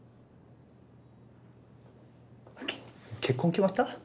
け結婚決まった？